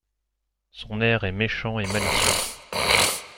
Son air est méchant et malicieux.